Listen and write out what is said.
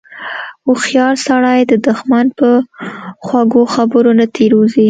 هوښیار سړی د دښمن په خوږو خبرو نه تیر وځي.